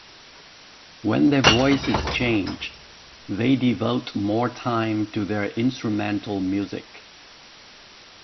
When their voices change, they devote more time to their instrumental music.